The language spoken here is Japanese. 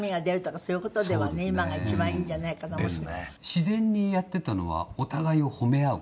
自然にやってたのはお互いを褒め合う。